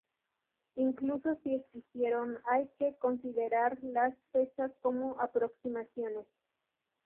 Incluso si existieron hay que considerar las fechas como aproximaciones.